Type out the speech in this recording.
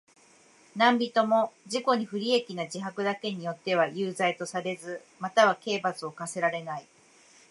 何人（なんびと）も自己に不利益な自白だけによっては有罪とされず、または刑罰を科せられない。